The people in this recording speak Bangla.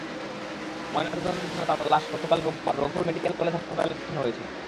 ময়নাতদন্তের জন্য তাঁর লাশ গতকাল রোববার রংপুর মেডিকেল কলেজ হাসপাতালে পাঠানো হয়েছে।